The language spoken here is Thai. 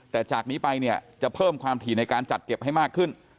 แต่จากนี้ไปเนี่ยจะเพิ่มความถี่ในการจัดเก็บให้มากขึ้น